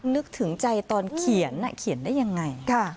นึกถึงใจตอนเขียนเขียนได้ยังไง